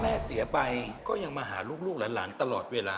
เสียไปก็ยังมาหาลูกหลานตลอดเวลา